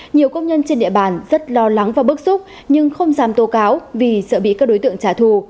nhiều công nhân trên địa bàn rất lo lắng và bức xúc nhưng không dám tố cáo vì sợ bị các đối tượng trả thù